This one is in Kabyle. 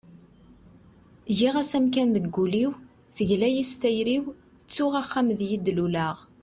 giɣ-as amkan deg ul-iw, tegla-yi s tayri-w, ttuɣ axxam deg i d-luleɣ